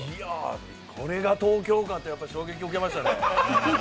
これが東京かって衝撃を受けましたね